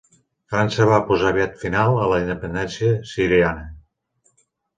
França va posar aviat final a la independència siriana.